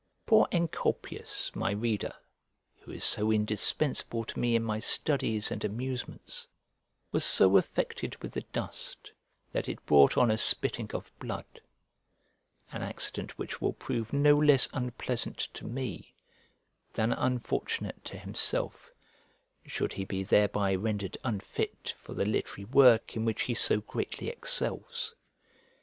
Poor Encolpius, my reader, who is so indispensable to me in my studies and amusements, was so affected with the dust that it brought on a spitting of blood: an accident which will prove no less unpleasant to me than unfortunate to himself, should he be thereby rendered unfit for the literary work in which he so greatly excels.